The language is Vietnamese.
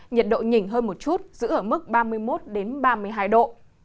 nhiệt độ nhỉnh hơn một chút giữ ở mức ba mươi một ba mươi hai độ